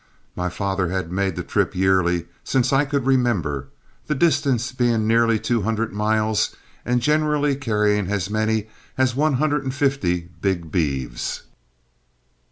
My father had made the trip yearly since I could remember, the distance being nearly two hundred miles, and generally carrying as many as one hundred and fifty big beeves.